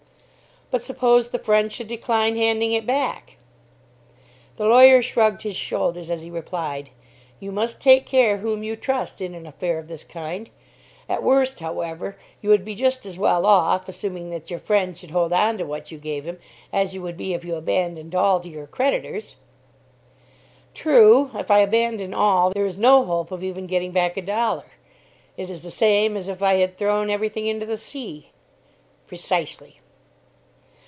"But suppose the friend should decline handing it back?" The lawyer shrugged his shoulders as he replied, "You must take care whom you trust in an affair of this kind. At worst, however, you would be just as well off, assuming that your friend should hold on to what you gave him, as you would be if you abandoned all to your creditors." "True, if I abandon all, there is no hope of, even getting back a dollar. It is the same as if I had thrown every thing into the sea." "Precisely."